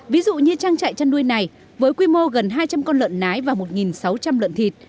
ví dụ như trang trại chăn nuôi này với quy mô gần hai trăm linh con lợn nái và một sáu trăm linh lợn thịt